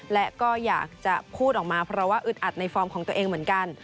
และก็อยากจะพูดออกมาเพราะว่าอึดอัดในฟอร์มของตัวเองเหมือนกัน